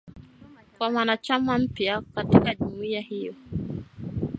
kuwa mwanachama mpya katika jumuiya hiyo